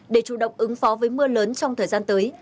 để chủ động ứng phó với mưa lớn trong thời gian tới